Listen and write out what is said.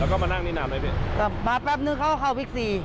แล้วก็มานั่งนินามให้พี่มาแป๊บนึงเขาก็เข้าบิ๊กซี